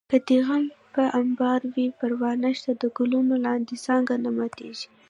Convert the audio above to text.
که دې غم په امبار وي پروا نشته د ګلونو لاندې څانګه نه ماتېږي